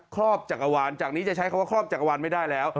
รอบจักรวาลจากนี้จะใช้คำว่าครอบจักรวาลไม่ได้แล้ว